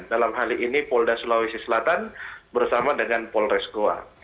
dalam hal ini polda sulawesi selatan bersama dengan polres goa